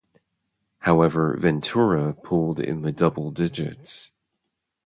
However, Ventura polled in the double digits.